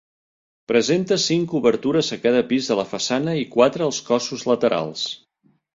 Presenta cinc obertures a cada pis de la façana i quatre als cossos laterals.